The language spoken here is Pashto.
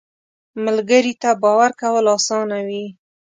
ملګری ته باور کول اسانه وي